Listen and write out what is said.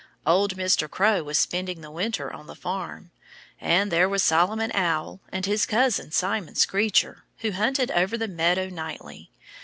Old Mr. Crow was spending the winter on the farm. And there were Solomon Owl and his cousin Simon Screecher, who hunted over the meadow nightly.